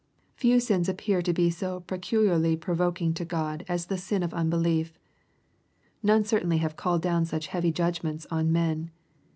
Few sins appear to be so peculiarly provoking to God as the sin of unbelief. None certainly have called down such heavy judgments on men.